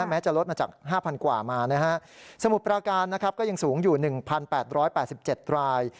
แม้จะลดมาจาก๕๐๐๐กว่าสมุดปราการก็ยังสูงอยู่๑๘๘๗ราย